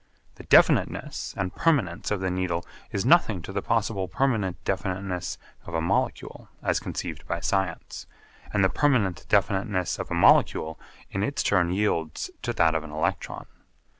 The definiteness and permanence of the Needle is nothing to the possible permanent definiteness of a molecule as conceived by science, and the permanent definiteness of a molecule in its turn yields to that of an electron.